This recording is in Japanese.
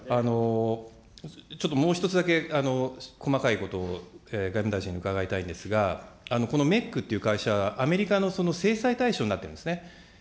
ちょっともう一つだけ、細かいことを外務大臣に伺いたいんですが、このメックっていう会社、アメリカの制裁対象になってますね。